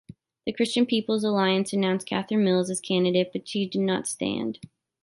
The Christian Peoples Alliance announced Katherine Mills as candidate, but she did not stand.